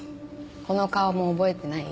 この顔も覚えてない？